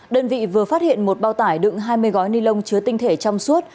đơn vị vừa phát hiện một bao tải đựng hai mươi gói ni lông chứa tinh thể trong suốt